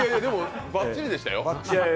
バッチリでしたよ。